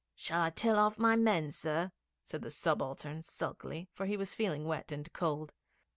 'Shall I tell off my men, sir?' said the subaltern sulkily, for he was feeling wet and cold.